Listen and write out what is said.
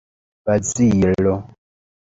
Bazilo!